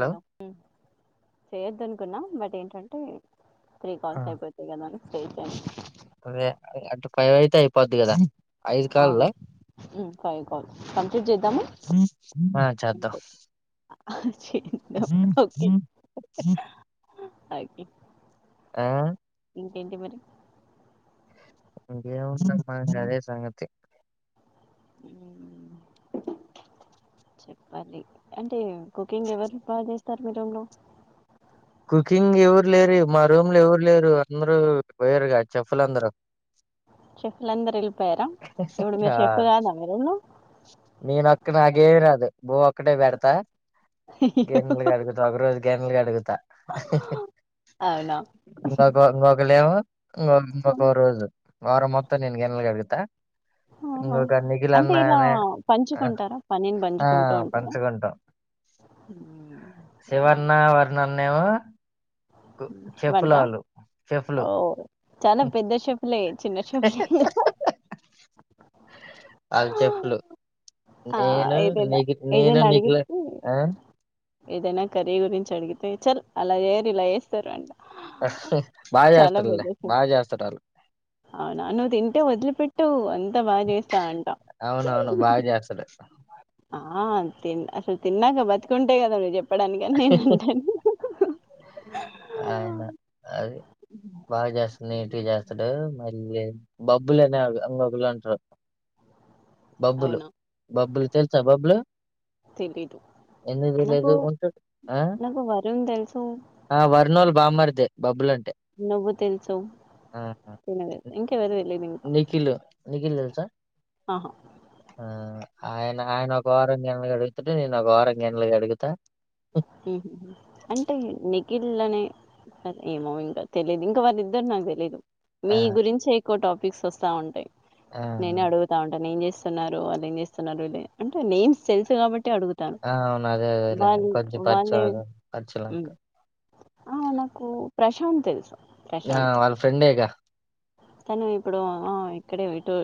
Hello చేయొద్దు అనుకున్నా but ఏంటంటే త్రీ ఆ, కాల్స్ అయిపోతయి కదా అని చేసాను. అదే అంటే ఫైవ్ అయితే అయిపోద్ది కదా ఐదు అవును కాల్లా. ఫైవ్ కాల్స్ కంప్లీట్ చేద్దామ ఆ చేద్దాం అంతే. ఆ చేద్దాం ఓకేే ఒకే ఆ ఇంకేంటి మరి. ఇంకేం ఉన్నది మనం గదే సంగతి. చెప్పాలి అంటే కుకింగ్ ఎవరు. బాగాచేస్తారు మీ రూంలో. కుకింగ్ ఎవరు లేరు మా రూమ్లో ఎవ్వరు లేరు అందరు పోయారుగా చెఫ్లందరు. చెఫ్లందరు ఎళ్ళిపోయారా ఇప్పుడు మీరు ఆ చెఫ్ కాదా మీ రూంలో. నేనొక్క నాకేమి రాదు బువ్వ ఒక్కటే పెడతా. గిన్నెలు కడుగుతా ఒక రోజు గిన్నెలు కడుగుతా. అవునా ఇంకొక ఇంకొకలేమో ఇంకొ ఇంకొక రోజు, వారం మొత్తం నేను గిన్నలుగడుగుతా. ఆహా. ఇంకొక నిఖిల్ అంటే అన్నా ఇలా అనే ఆ పంచుకుంటారా పనిని ఆ పంచుకుంటూ ఉంటారా పంచుకుంటాం. మ్మ్. అవునా శివన్నా వరునన్నా ఏమో మ్మ్. చెఫ్లు వంట ఆల్లు. ఓ చానా పెద్ద చెఫ్లే చిన్న చెఫ్లేం కాదు. ఆళ్ళు చెఫ్లు ఆ నేను ఏదైనా నిఖి నేను ఏదైనా నిఖిల్ అడిగితే ఆ ఏదైనా కర్రీ గురించి అడిగితే చల్ అలా చేయ్యరు ఇలా చేస్తరు అంట. బాగా చాలా పెద్ద చేస్తర్లే షెఫ్ బాగా చేస్తరు ఆళ్ళు. అవునా నువ్వు తింటే వదిలిపెట్టవు అంతా బాచేస్తా అంట. అవునవును బాగా చేస్తాడు. ఆ తిన్ అస్సలు తిన్నాక బతికుంటే కదా అది చెప్పడానికని నేను అంటా ఆయన అది బాగా చేస్ నీటిగా చేస్తాడు మ ఇ బబ్బులనే ఒక ఇంగో పిల్లాడుంటరు. బబ్బులు అవునా బబ్బులు తెలుసా బబ్బులు తెలీదు ఎందుకు నాకు తెలియదు ఉంటుం నాకు వరన్ తెలుసు ఆ వర్నోల్ల బామ్మరిదే బబ్బులు అంటే. నువ్వు తెలుసు. ఆహా తినలేదు ఇంకెవరు తెలియదు ఇంకా నిఖిల్ నిఖిల్ తెలుసా. ఆహా ఆ ఆయన ఆయన ఒక వారం గిన్నెలు కడుగుతాడు, నేను ఒక వారం గిన్నెలు కడుగుతా. అంటే నిఖిల్ అనే అదే ఏమో ఇంకా తెలియదు ఇంకా వాళ్ళు ఇద్దరు నాకు తెలియదు. ఆ! మీ గురించే ఎక్కువ టాపిక్స్ వస్తా ఉంటాయి. ఆ! నేనే అడుగు తా ఉంటా ఏం చేస్తున్నారు, వాళ్ళు ఏం చేస్తున్నారు వీళ్ళు అంటే నేమ్స్ తెలుసు కాబట్టి అడుగు ఆ అవును అదే అదే లే కొంచెం వాళ్ళే పరిచయం [inaudible] పరిచెలెక్క ఉమ్ ఆ నాకు ప్రశాంత్ తెలుసు యా ప్రశాంత్ వాళ్ళ ఫ్రెండే గా తను ఇప్పుడు ఆ ఇక్కడే ఇటు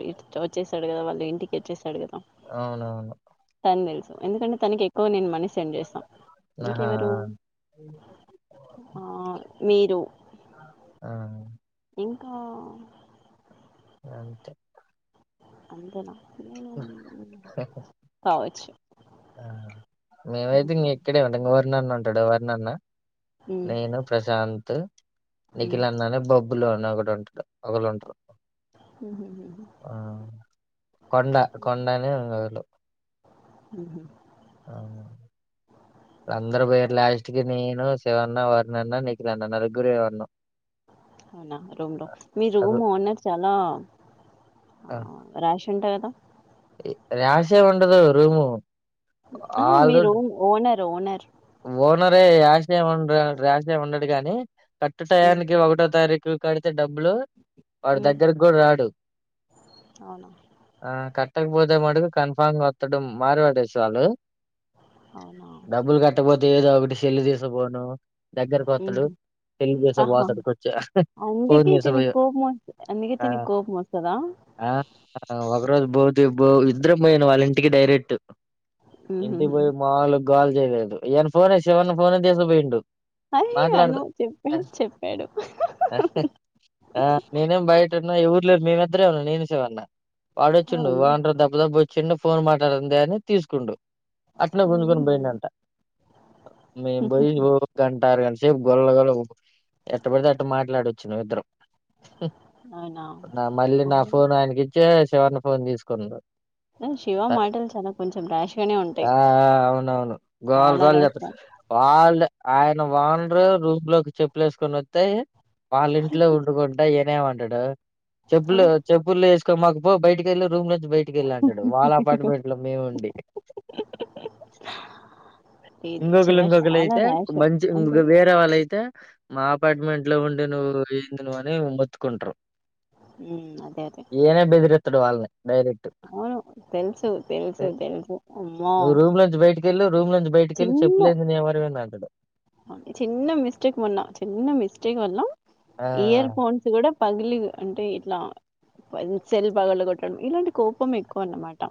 వచ్చేసాడు కదా వాళ్ళు ఇంటికి వచ్చేసాడు కదా అవునవును తను తెలుసు ఎందుకంటే తనకి ఎక్కువ నేను మనీ సెండ్ చేస్తా ఆహా! ఇంకెవరు ఆ మీరు ఆ ఇంకా అంతే కావచ్చు ఆ మేమైతే ఉమ్, ఇంగ ఇక్కడే ఉంటాం ఇంగ వరునన్న ఉంటాడు వరునన్న ఉమ్, నేను ప్రశాంత్ ఉమ్, నిఖిల్ అన్న అనే బొబ్బులు అని ఒకడుంటాడు ఒకళు ఉంటారు ఉమ్, ఉమ్, కొండ కొండనే వోళ్ళు హూ హూ అవును అందరూ పోయిర్రు లాస్ట్ కి నేను శివన్న వరుణన్న నీఖిల్ అన్న నలుగురే ఉన్నం అవునా రూమ్ లో మీ అరు- రూము అన్న చాలా రాషి ఉంటాయి కదా రాషే ఉండదు రూము ఆ ఆల్ మీరు ఓనర్ ఓనర్ ఓనరే ఆశేయం రాశేం ఉండడు గానీ కర్టు ఉమ్, టయానికి ఒకటో తారీఖు కడితే డబ్బులు వాడి ఉమ్, దగ్గరకి కూడా రాడు అవునా ఆ కట్టకపోతే మటుకు కన్ఫామ్ గా వత్తడు మార్వాడీస్ వాళ్ళు అవునా డబ్బులు కట్టకపోతే ఏదో ఒకటి సెల్ తీసకపోను ఉమ్, దగ్గరకొత్తడు ఉమ్. తెల్ ఆహా తీసకబోతడుకొచ్చి ఫోన్ అందుకే దీనికి తీసకపోయి కోపం వస్తు అందుకే ఆ దీనికి కోపం వస్తుందా ఆ ఒకరోజు బౌద్ బో ఇద్దరం పోయాను వాళ్ళ ఇంటికి డైరెక్ట్ ఉమ్, ఉమ్, ఇంటికి ఉమ్. పోయి మాముూలుగా గోల చేయలేదు ఈయన ఫోనే శివన్న ఫోనే తీసకపోయిండు అయ్య నువ్ చెప్పే చెప్పాడు ఆ నేనేం బయట ఉన్నా ఎవురులేరు మేమిద్దరే ఉన్నా నేను శివన్న వాడొచ్చిండు అవును ఓనరు దబ దబ వచ్చిండు ఫోన్ మాట్లాడాన్ దా అని తీసుకుండు అట్నే ఉమ్, గుంజుకొని ఉమ్, పోయిండు అంట మేం పోయ్యి ఊరు గంట అర గంట సేపు గొల్ల గొల్ల ఎట్ట పడితే అట్ట మాట్లాడొచ్చినం ఇద్దరం అవునా నా మళ్ళీ నా ఉమ్. ఫోన్ ఆయనకి ఇచ్చే శివన్న ఫోన్ తీసుకుండు శివ మాటలు చాలా కొంచెం ర్యాష్ గానే ఉంటాయి గోల చాలా గోల ర్యాష్ చెప్ గా వాళ్ళే ఆయన ఓనరు రూమ్ లోకి చెప్పలేసుకొని వత్తే వాళ్ళ ఇంట్లో ఉండుకుంటొ ఈనేమంటాడు చెప్పులు చెప్పుల్లేసుకోమాకు పో బయటికెళ్ళు రూమ్ లో నుంచి బయటకెళ్ళు అంటాడు వాళ్ళ అపార్ట్మెంట్ లో మేము ఉండి ఆ. లేదు శివ ఇంగొకల్లు ఇంగొకల్లు చాలా ఐతే ర్యాష్ మంచి అంటే [unintelligible] వే రే వాళ్ళయితే మా అపార్ట్మెంట్ లో ఉండి నువ్వు ఏంది నువ్వు అని మొత్తుకుంటారు ఉమ్ అదే అదే ఈయనే బెదిరిత్తడు వాళ్ళని డైరె అవును తెలుసు తెలుసు తెలుసు అమ్మో నువ్వు రూమ్ లోంచి బయటికెల్లు రూమ్ లోంచి బయటకెళ్ళి చెప్పులేంది ఇన్ని ఎవరివనంతాండు ఒకే చిన్న మిస్టేక్ మొన్న చిన్న మిస్టేక్ వల్ల ఆ ఇయర్ ఫోన్స్ కూడా పగిలి అంటే ఇట్లా సెల్ పగళ్లు కొట్టడం ఇలాంటి కోపం ఎక్ కొన్నమాట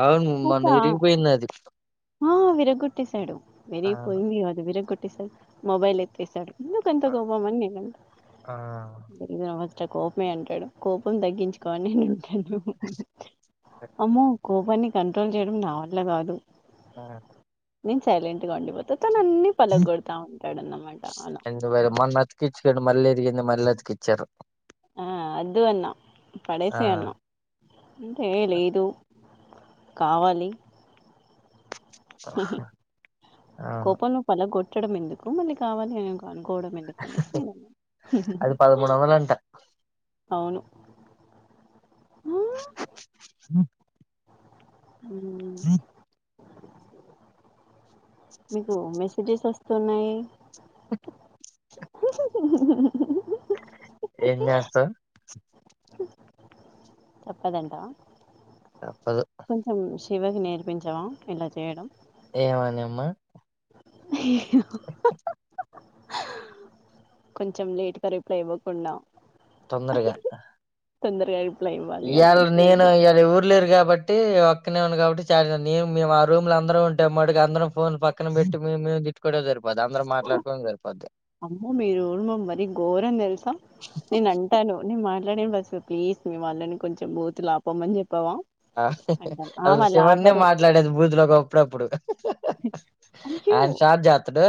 అవును మొన్న విరిగిపోయింది అది ఆ విరగ్ గొట్టేసాడు ఆ విరిగిపోయింది గాదు విరగ్గట్టేసాడు మొబైల్ ఎత్తేసాడు ఎందు కంత గోబం అన్ నేనంత ఆ ఫస్ కోపమే అంటాడు కోపం తగ్గించుకోని నేను ఉంటాను అమ్మో కోపాన్ని కంట్రోల్ చేయడం నా వల్ల కాదు ఆహా నేన్ సైలెంట్ గా ఉండిపోతా తన్ అన్ని పలగొడతా ఉంటాడన్న మాట అల ఇవాళ మొన్న అతుకిచ్చుకోండి మల్లీ ఇరిగింది మళ్ అతికిచ్చారు ఆ అద్దు అన్నా ఆ పడేసే అన్నా అంటే లేదు కావాలి అవును కోపంలో పలగొట్టడం ఎందుకు మళ్ళీ కావాలి అని అనుకోవడం ఎందుకు అది పదమూడు వందలంట అవును ఆ, అ ఊ మీకు మెసేజెస్ వస్తున్నాయి అహ ఏం చేస్తావ్ చెప్పదంట తప్పదు కొంచెం శివకి నేర్పించవా ఇలా చేయడం ఏమనిమ్మా అహ కొంచెం లేట్ గా రిప్లై ఇవ్వకుండా తొందరగా తొందరగా ఇప్ ఇయాల్ నేను ఇయ్యాలెవ్వర్ లేరు కాబట్ టే ఒక్కనే ఉన్న కాబట్టి చాల మేం మేము ఆ రూమ్లు అందరం ఉంటే మట్టికి అందరం ఫోన్ పక్కన పెట్టి మే మే ట్కోవడం సరిపోద్ది అందరు మాట్లాడుకోవడం సరిపోద్ది అమ్మో మీరు మరీ ఘోరం తెల్సా నేనంటాను కొన్ని మాట్లాడే ఫస్ట్ ప్లీజ్ మీ వాళ్ళని కొంచెం బూతులు ఆపమని చెప్పావా ఆహ్ అసలు శివన్నే మాట్లాడేది బూద్లో ఒక అప్పుడప్పుడు అయ్యో ఆయన స్టార్ చేతడు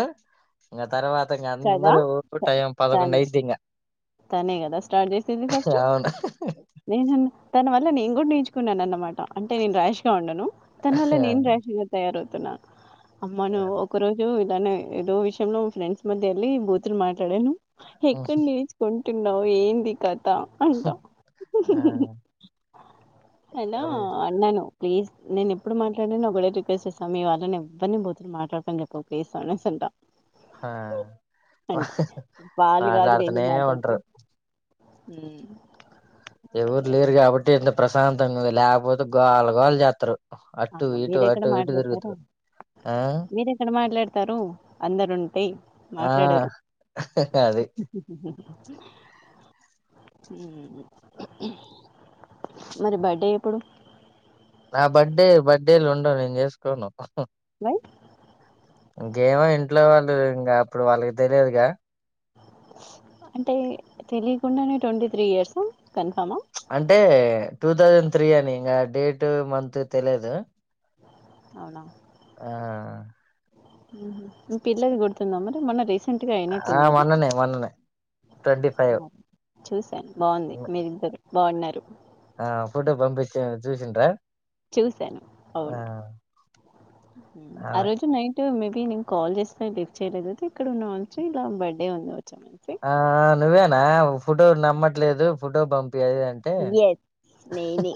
ఇంక తర్వాత ఇంక కదా అందరూ త- టైం తనే పదకొండయిది ఇంకా తనే కదా స్టార్ట్ చేసేది ఫస్టు ఉండు నేను తన వల్ల నేన్ కూడా నేర్చుకున్నానన్నమాట అంటే నేన్ రాష్ గా ఉండను తన్ వల్ల నేను రాష్ గా తయారవుతున్నా అమ్మాను ఒక రోజు ఇలానే ఏదో విషయంలో ఫ్రెండ్స్ మధ్య వెళ్ళి బూతులు మాట్లాడాను ఎక్కడ్ నేర్చుకుంటున్నావు ఏంది కథ అంటా ఆ హలో అన్ అన్నాను ప్లీజ్ నేనుప్పుడుట్లాడడి నని ఒకడే రిక్వెస్ట్ చేస్తా మీళ్ళని ఎవరిని పోతుని మాట్లాడతం చెప్పు ప్జ్ సస్ంటా ఆ! అంటే వాలు కాదు మాట్లాడుతూనే నేన్ని ఉంటరు. మాట్లాడుతావు మ్ ఎవరు లేరు కాబట్టి ఇంత ప్రశాంతం గుంది లేకపోతే గోల గోల చేత్తరు అటు అమ్మ ఇటు మీరెక్కడ అటు ఇటు మాట్లాడతారు దిరుగుతురు మీరెక్కడ మాట్లాడతారు అందరుంటే ఆ! మాట్లాడరు అది మరి బర్డే ఎప్పుడు నా బర్త్డే బర్త్డేలు ఉండవు నేను చేసుకోను మ్ కేమో ఇంట్లో వాళ్ళు ఇంకా అప్పుడు వాళ్ళకి తెలియదుగా అంటే తెలియకుండానే ట్వంటీ త్రీ ఇయర్సా కన్ఫామ అంటే టూ థౌజండ్ త్రీ అని ఇంకా డేట్ మంత్ తెలియదు అవునా ఆ మ్ హు మ్ పిల్లని కొడుతుందా మరి మొన్న రేస్ సెంట్గా ఆ! అయినట్టుంది కదా మొన్ననే మొన్ననే చూసాను బావుంది మీరిద్దరు బావున్నారు ఆ ఫోటో పంపించేన చూసిండ్రా చూశాను ఆ అవును అ ఆమె రోజు నైట్ అ మేబీ నేను కాల్ చేస్తే లిఫ్ట్ చేయలేదు ఇక్కడ ఉన్నా మంచి ఇలా బర్త్డే ఉంది వచ్చా మంచి ఆ నువ్వేనా ఫోటో నమ్మట్లేదు ఫోటో పంపియి అదిదని తె ఎస్ నేనే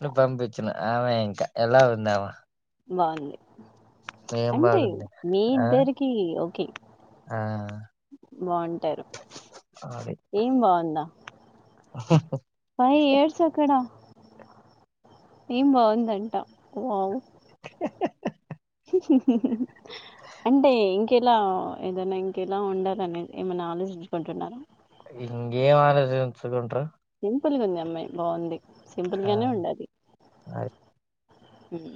ను పంపిచ్చిన ఆమె ఇంకా ఎలా ఉందావా బావుంది ఏం అంటే బాగుంది మీ ఆ ఇద్దరికి ఓకే ఆ బావుంటారు అది ఏం బావుందా ఫైవ్ ఇయర్స్ అక్కడ ఏం బావుందంట వావ్ అంటే ఇంకెలా ఏదనా ఇంకెలా ఉండాలనే ఏమైనా ఆలోచించుకుంటున్నారా ఇంగ్ ఏం ఆలోచిచ్చు గుంట్రు సింపుల్ గా ఉంది ఈ అమ్మాయి బావుంది సింపుల్ ఆ గానే ఉండాలి అది హ్మ్.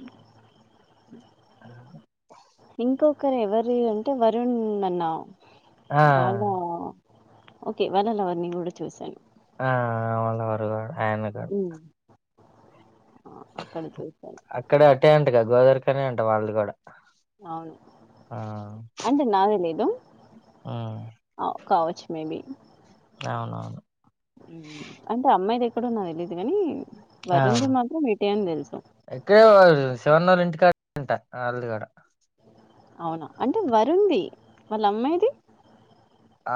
ఆ ఇంకొకరు ఎవరు అంటే వరుణ్ అన్నా ఆ వాళ్ళ ఓకే వాళ్ళ లవర్ నీ కూడా చూశాను ఆ వాళ లవరుగూడ ఆయన కూడా అక్కడ చూసాను ఇక్కడే అటే అంట గా గోదరిఖనే అంట వాళ్ళది కూడా అవును ఆ అంటే నాదే లీదు ఉమ్ కావచ్చు మేబి అవునవును ఊమ్ అంటే అమ్మాయిదెక్కడో నాక్ తెలీదు కాని ఆ వరుణ్ ది మాత్రం ఇటే అని తెలుసు ఇక్కడే వాళ్ళు శివన్నోళ్ళ ఇంటికా [inaudible] ఆల్దిగూడా అవునా అంటే వరుణ్ ది మల్ల అమ్మాయిది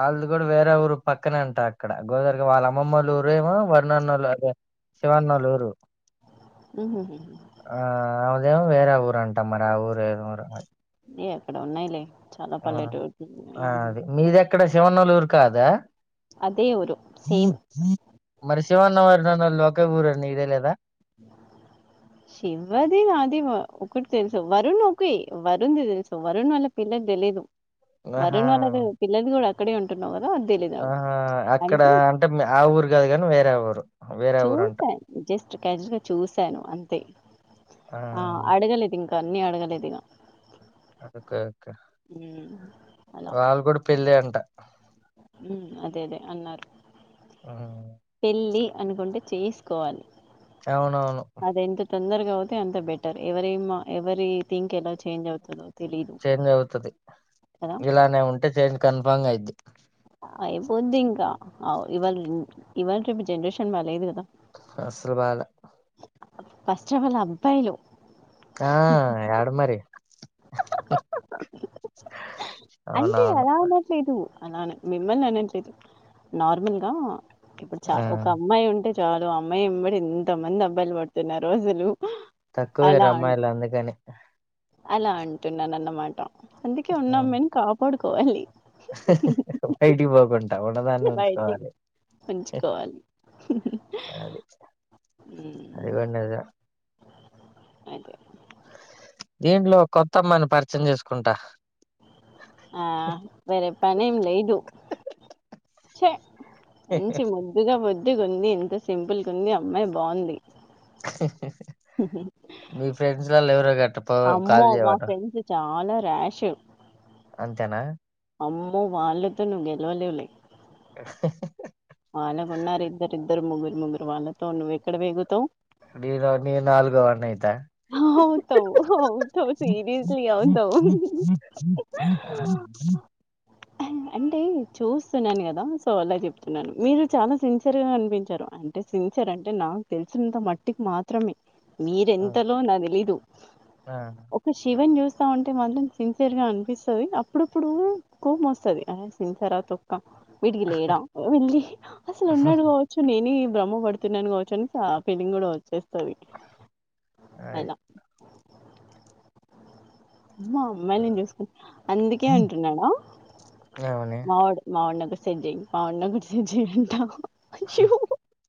ఆళ్ళది గూడా వేరే ఊరు పక్కనే అంట అక్కడ గోదరిగా వాళ్ళ అమ్మమ్మోళ్లు ఊరేమో వరుణన్నోళ్ళదే శివన్నోళ్ళూరు ఊహు హు హూ ఆ ఆమెదేమో వేరే ఊరు అంటా మరి ఆ ఊరు ఏదో మరి ఎక్కడో ఉన్నాయ్ లే చాలా పల్లెటూర్ ఇక్కడే శివనోళ్ళ ఊరు కాదా అదే ఊరు సేమ్ మరి శివన్న వరుణన్నోళ్లు ఒకే ఊరని నీకు తెలియదా శివది నాది ఒకటి తెలుసు వరుణ్ ఒకే వరుణ్ది తెలుసు వరుణ్ వాళ్ళ పిల్లది తెలియదు ఆహా వరుణ్ వాళ్ళది పిల్లది కూడా అక్కడే అంటున్నావు కదా అది తెలీదా అంటే టే ఆ ఊరు కాదు కానీ వేరే ఊరు వేరే ఊరంట చూశా జస్ట్ క్యాజు గా చూశాను అంతే ఆ అడగలేదు ఇంకా తన్ని అడగలేదు ఇగ ఓకే ఓకే హ్మ్. వాళ్ళు గూడా పెళ్ళే అంట ఊమ్ అదే అదే అన్నారు హ్మ్. పెళ్ళి అనుకుంటే చేసుకోవాలి అవునవును అది ఎంత తొందరగా అవుతే అంత బెటర్ ఎవరేమో ఎవరి థింక్ ఎలా చేంజ్ అవుతదో తెలీదు చేంజ్ అవుతది కదా! ఇలానే ఉంటే చేంజ్ కన్ఫామ్ గైద్ధి అయిపోద్ధి ఇంకా ఇవాళ ఇవాళ రేపు జనరేషన్ బాలేదు కదా అస్సలు బాలే ఫస్ట్ ఆఫ్ ఆల్ అబ్బాయిలు ఆ యాడ మరి అంటే అవునవును అలా అనట్ ట్లేదు అలానే మిమ్మల్ని అనట్లేదు నార్మల్గా ఇప్పుడు చా ఆ ఒక అమ్మాయి ఉంటే చాలు ఆ అమ్మాయి ఎంబడి ఎంత మంది అబ్బాయిలు పడుతున్నారో అసలు తక్కువేరు అలా అన్ రమ్మాయిలు అందుకనే అలా అంటున్నాను అన్నమాట అందుకే ఉన్నమ్మాయిని కాపాడుకోవాలి బయిటికి పోకుండ ట ఉన్న దాన్ని బయటికి ఉంచుకోవాలి ఉంచుకోవాలి. అది అది కూడా నిజం అయితే దీంట్లో ఓ కొత్తమ్మాయిని పరిచయం చేసుకుంటా ఆ వేరే పనేం లేదు చ్చే మంచి ముద్దుగా బొద్దుగుంది ఎంత సింపుల్గుంది అమ్మాయి బాగుంది హేహేహే హ్మ్మ్ మీ ఫ్రెండ్స్ లల్లా ఎవరు గట్ట కాల్ అమ్మో! మా చేయమను ఫ్రెండ్స్ చాలా రాషు అంతేనా అమ్మో వాళ్ళతో నువ్ గెలవలేవులే హహ వాళ్ళకు ఉన్నారు ఇద్దరిద్దరు ముగ్గురు ముగ్గురు వాళ్ళతో నువ్వు వెక్కడ వేగుతావ్ [unintelligible] నేను నాలుగు వాడ్ని అయితా అవుతావు అవుతావు సీరియస్లీ అవుతావు హా అంటే చూస్తున్నాను కదా సో అలా చెప్తున్నాను మీరు చాలా సిన్సియర్ గా అనిపించారు అం సిన్సియర్ అంటే నాకు తెలిసినంత మట్టికి మాత్రమే మీరే తెలవదు నాకు తెలీదు ఆ ఒక శివన్ చూస్తా ఉంటే మాత్రం సిన్సియర్ గా అనిపిస్తాది అప్పుడప్పుడు కోపమస్తది హా సిన్సియర తొక్క వీటికి లేడ వెళ్ళి అసలు ఉన్నాడు కావచ్చు సొ నేనే బ్రమ పడుతున్నాను కావచ్చుని ఫిలింగ్ కూడా వచ్చేస్తాది అది. అయినా అమ్మా అమ్మాయి నే చేసుకుంట అందుకే అంటున్నాడా అవునే మావాడు మావాణిక సెట్ జేయి మావాణిక సెట్ జేయి అంట అయ్యో హహ